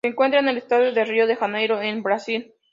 Se encuentra en el Estado de Río de Janeiro en Brasil.